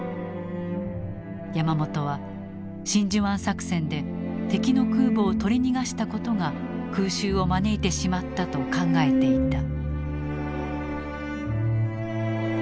山本は真珠湾作戦で敵の空母を取り逃がしたことが空襲を招いてしまったと考えていた。